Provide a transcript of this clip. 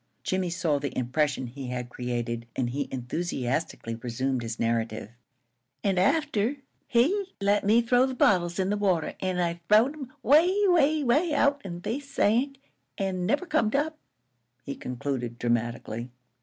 Jimmie saw the impression he had created, and he enthusiastically resumed his narrative: "An' after, he let me throw the bottles in the water, and I throwed 'em 'way, 'way, 'way out. An' they sank, an' never comed up," he concluded, dramatically.